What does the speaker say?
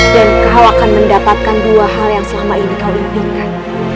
dan kau akan mendapatkan dua hal yang selama ini kau impinkan